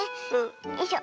よいしょ。